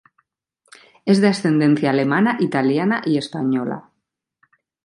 Es de ascendencia alemana, italiana y española.